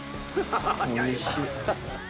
おいしい。